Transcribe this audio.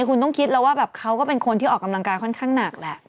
คุณต้องคิดแล้วว่าแบบเขาก็เป็นคนที่ออกกำลังกายค่อนข้างหนักแหละ